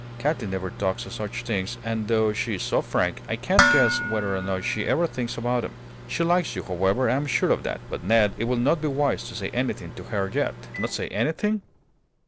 Katy never talks of such things; and though she's so frank, I can't guess whether or not she ever thinks about them. She likes you, however, I am sure of that. But, Ned, it will not be wise to say anything to her yet." "Not say anything?